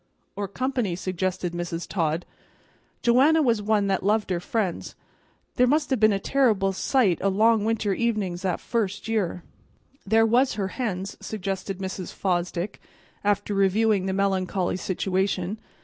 "Or company," suggested Mrs. Todd. "Joanna was one that loved her friends. There must have been a terrible sight o' long winter evenin's that first year." "There was her hens," suggested Mrs. Fosdick, after reviewing the melancholy situation.